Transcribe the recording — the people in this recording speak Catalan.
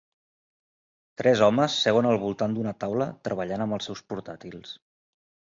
Tres homes seuen al voltant d'una taula treballant amb els seus portàtils.